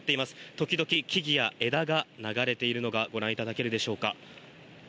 時々、木々や枝が流れているのがご覧いただけるでしょうか？